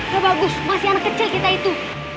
wah bagus masih anak kecil kita itu